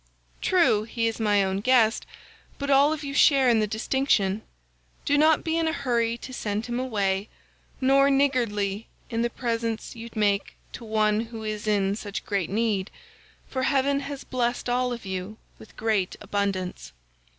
True, he is my own guest, but all of you share in the distinction. Do not be in a hurry to send him away, nor niggardly in the presents you make to one who is in such great need, for heaven has blessed all of you with great abundance."